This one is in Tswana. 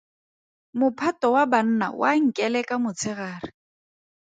Mophato wa banna wa nkeleka motshegare.